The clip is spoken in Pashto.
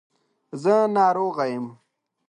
زه ناروغه یم .